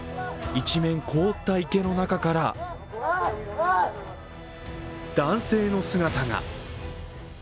一面凍った池の中から男性に姿が。